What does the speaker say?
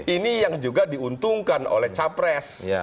ini yang juga diuntungkan oleh capres